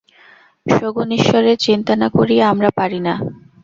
সগুণ ঈশ্বরের চিন্তা না করিয়া আমরা পারি না।